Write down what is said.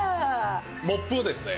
モップをですね